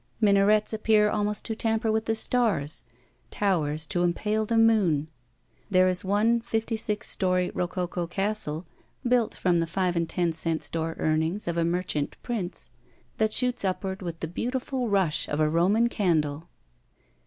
Minarets appear almost to tamper with the stars; towers to impale the moon. There is one fifty six story rococo castle, built from the five and ten cent store earnings of a merchant prince, that shoots upward with the beautiful rush of a Roman candle.